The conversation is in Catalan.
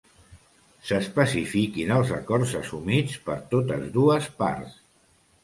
S'especifiquin els acords assumits per totes dues parts.